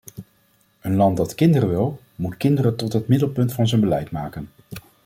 Een land dat kinderen wil, moet kinderen tot het middelpunt van zijn beleid maken.